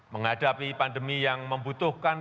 menghadapi pandemi yang membutuhkan